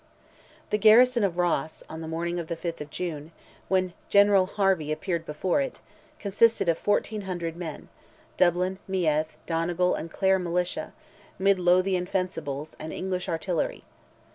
The garrison of Ross, on the morning of the 5th of June, when General Harvey appeared before it, consisted of 1,400 men—Dublin, Meath, Donegal, and Clare militia, Mid Lothian fencibles, and English artillery.